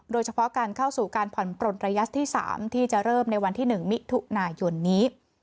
โดยเฉพาะการเข้าสู่การผ่อนปลนระยะที่๓ที่จะเริ่มในวันที่๑มิถุนายนนี้